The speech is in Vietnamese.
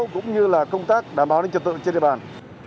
cũng như là công tác đảm bảo đến trật tự trên địa bàn